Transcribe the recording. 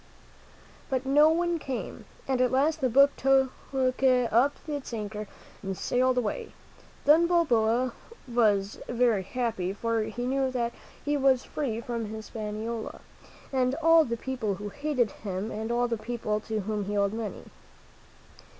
But no one came, and at last the boat took up its anchor and sailed away. Then Balboa was very happy, for he knew that he was free from His paniola and all the pepole who hated him and all the people to whom he owed money.